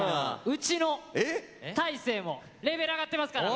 うちの大晴もレベル上がってますから。